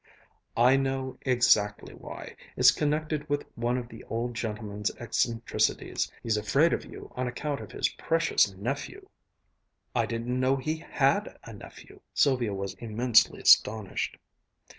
"I know exactly why. It's connected with one of the old gentleman's eccentricities. He's afraid of you on account of his precious nephew." "I didn't know he had a nephew." Sylvia was immensely astonished.